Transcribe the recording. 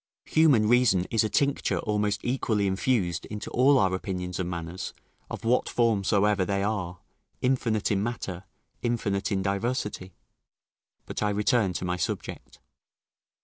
Human reason is a tincture almost equally infused into all our opinions and manners, of what form soever they are; infinite in matter, infinite in diversity. But I return to my subject.